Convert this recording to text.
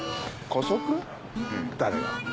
誰が！？